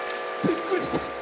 びっくりした？